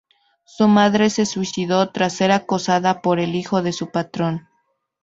Su madre se suicidó trás ser acosada por el hijo de su patrón.